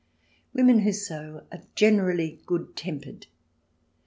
Women who sew are generally good tempered.